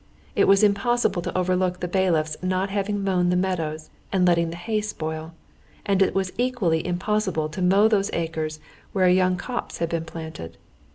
It was impossible to overlook the bailiff's not having mown the meadows and letting the hay spoil; and it was equally impossible to mow those acres where a young copse had been planted.